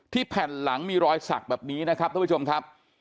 แผ่นหลังมีรอยสักแบบนี้นะครับท่านผู้ชมครับ